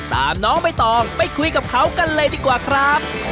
น้องใบตองไปคุยกับเขากันเลยดีกว่าครับ